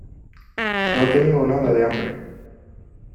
No tengo nada de hambre.